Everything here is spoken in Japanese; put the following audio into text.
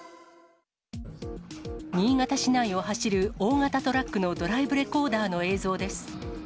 新潟市内を走る大型トラックのドライブレコーダーの映像です。